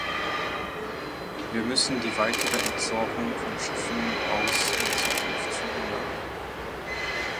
Wir müssen die weitere Entsorgung von Schiffen aus in Zukunft verhindern.